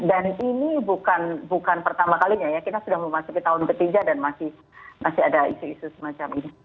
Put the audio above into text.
dan ini bukan pertama kalinya ya kita sudah memasuki tahun ketiga dan masih ada isu isu semacam ini